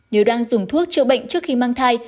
nếu đang dùng thuốc chữa bệnh trước khi mang thai